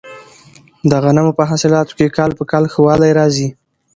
د غنمو په حاصلاتو کې کال په کال ښه والی راځي.